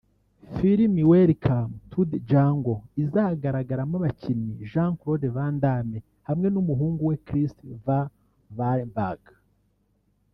Filimi Welcome To The Jungle izagaragaramo abakinnyi Jean Claude Van Dame hamwe n’umuhungu we Kris Van Varenberg